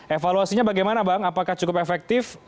evaluasinya bagaimana bang apakah cukup efektif